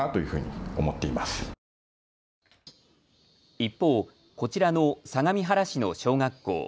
一方、こちらの相模原市の小学校。